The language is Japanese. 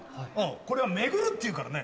これは巡るっていうからね。